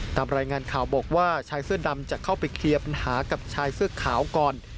ตามรายงานข่าวบอกว่าชายเสื้อดำจะเข้าไปเคลียร์ปัญหากับชายเสื้อขาวก่อน